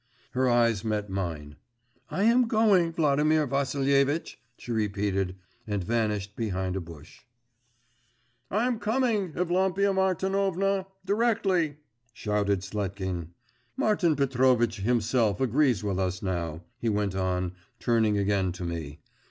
Her eyes met mine. 'I am going, Vladimir Vassilievitch!' she repeated, and vanished behind a bush. 'I'm coming, Evlampia Martinovna, directly!' shouted Sletkin. 'Martin Petrovitch himself agrees with us now,' he went on, turning again to me.